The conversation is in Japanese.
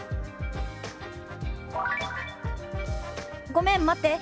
「ごめん待って。